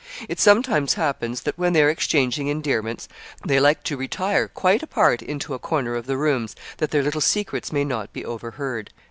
It sometimes happens that, when they are exchanging endearments, they like to retire quite apart into a corner of the rooms, that their little secrets may not be overheard."